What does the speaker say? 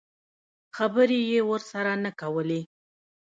خبرې یې ورسره نه کولې.